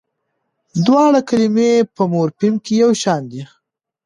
دواړه کلمې په مورفیم کې یوشان دي.